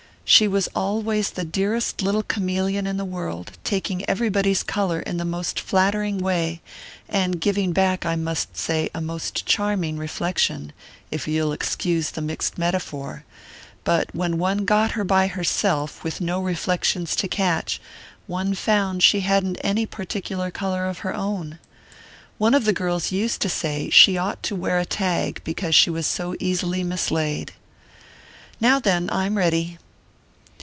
She was always the dearest little chameleon in the world, taking everybody's colour in the most flattering way, and giving back, I must say, a most charming reflection if you'll excuse the mixed metaphor; but when one got her by herself, with no reflections to catch, one found she hadn't any particular colour of her own. One of the girls used to say she ought to wear a tag, because she was so easily mislaid Now then, I'm ready!"